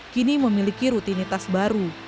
kini memiliki rutinitas baru